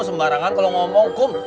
sembarangan kalau ngomong kum